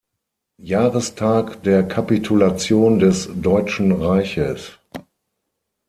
Jahrestag der Kapitulation des deutschen Reiches.